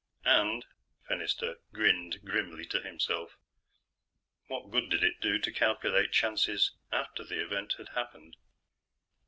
And (Fennister grinned grimly to himself) what good did it do to calculate chances after the event had happened?